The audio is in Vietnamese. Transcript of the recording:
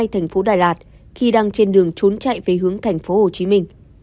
thành phố đà lạt khi đang trên đường trốn chạy về hướng thành phố hồ chí minh